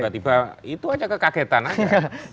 tiba tiba itu aja kekagetan aja